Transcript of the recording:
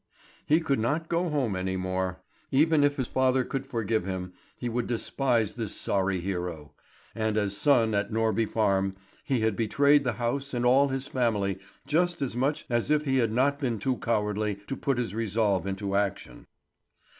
He could not go home any more. Even if his father could forgive him, he would despise this sorry hero; and as son at Norby Farm, he had betrayed the house and all his family just as much as if he had not been too cowardly to put his resolve into action.